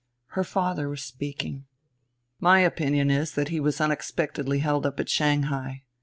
Her father was speaking: "My opinion is that he was unexpectedly held up at Shanghai.